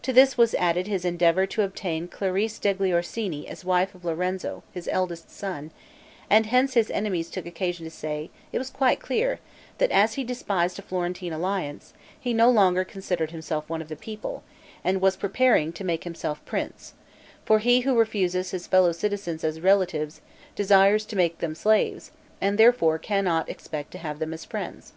To this was added his endeavor to obtain Clarice degli Orsini as wife of Lorenzo, his eldest son; and hence his enemies took occasion to say, it was quite clear, that as he despised a Florentine alliance, he no longer considered himself one of the people, and was preparing to make himself prince; for he who refuses his fellow citizens as relatives, desires to make them slaves, and therefore cannot expect to have them as friends.